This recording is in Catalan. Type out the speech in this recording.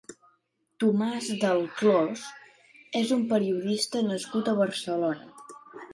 Tomás Delclós és un periodista nascut a Barcelona.